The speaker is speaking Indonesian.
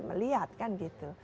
melihat kan gitu